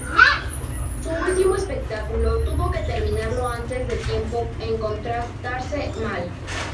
Su último espectáculo tuvo que terminarlo antes de tiempo por encontrarse mal.